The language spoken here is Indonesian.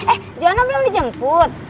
eh johana belum dijemput